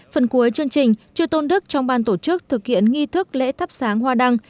phần cuối chương trình trư tôn đức trong ban tổ chức thực hiện nghi thức lễ thắp sáng hoa đăng